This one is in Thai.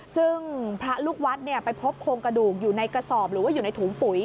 ซึ่งพระลูกวัดไปพบโครงกระดูกอยู่ในกระสอบหรือว่าอยู่ในถุงปุ๋ย